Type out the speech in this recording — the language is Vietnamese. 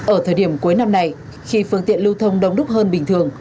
ở thời điểm cuối năm này khi phương tiện lưu thông đông đúc hơn bình thường